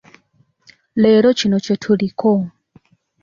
Leero kino kye tuliko.